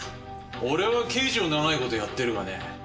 俺は刑事を長いことやってるがね